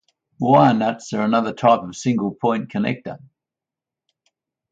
Wire nuts are another type of single point connector.